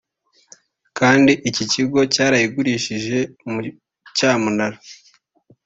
kandi iki kigo cyarayigurishije mu cyamunara